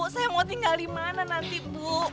saya mau tinggal dimana nanti bu